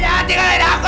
jangan tinggalin aku